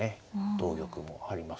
同玉もあります。